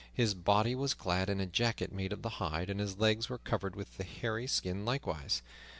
His body was clad in a jacket made of the hide, and his legs were covered with the hairy skin likewise.